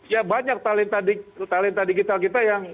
ya banyak talenta digital kita yang